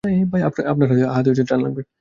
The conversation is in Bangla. আপনার হাতে টান লাগবে!